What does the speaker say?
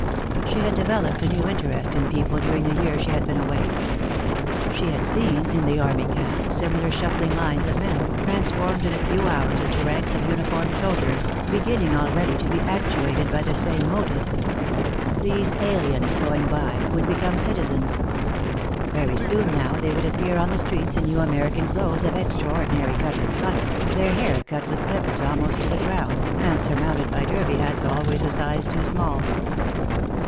She had developed a new interest in people during the year she had been away. She had seen, in the army camp, similar shuffling lines of men, transformed in a few hours into ranks of uniformed soldiers, beginning already to be actuated by the same motive. These aliens, going by, would become citizens. Very soon now they would appear on the streets in new American clothes of extraordinary cut and color, their hair cut with clippers almost to the crown, and surmounted by derby hats always a size too small.